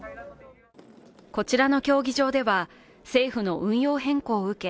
こちらの競技場では政府の運用変更を受け